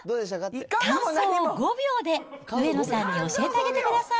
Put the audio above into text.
感想を５秒で、上野さんに教えてあげてください。